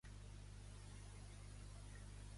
El regne animal és menys longeu.